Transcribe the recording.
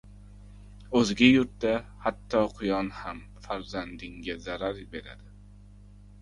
• O‘zga yurtda hatto quyon ham farzandingga zarar beradi.